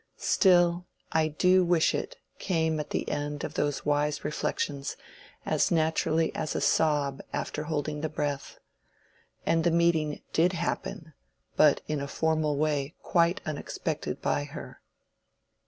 Still "I do wish it" came at the end of those wise reflections as naturally as a sob after holding the breath. And the meeting did happen, but in a formal way quite unexpected by her.